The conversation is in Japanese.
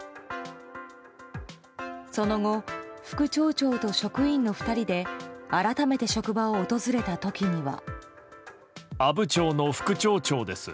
その後、副町長と職員の２人で改めて職場を訪れた時には。